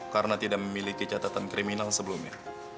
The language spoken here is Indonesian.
karena tidak memiliki catatan kriminal sebelumnya